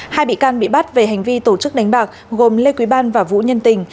hai bị can bị bắt về hành vi tổ chức đánh bạc gồm lê quý ban và vũ nhân tình